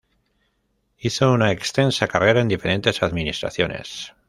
Hizo una extensa carrera en diferentes administraciones.